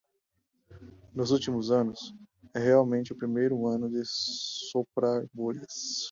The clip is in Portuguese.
Nos últimos anos, é realmente o primeiro ano de soprar bolhas.